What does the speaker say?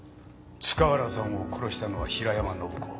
塚原さんを殺したのは平山信子。